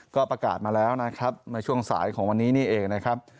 ก็ประกาศมาแล้วนะครับในช่วงสายของวันนี้นี่เองนะครับ